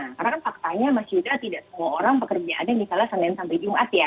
karena faktanya mas yuda tidak semua orang pekerjaan yang misalnya senin sampai jumat ya